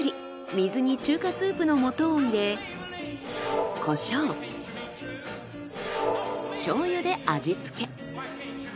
水に中華スープの素を入れコショウ醤油で味付け。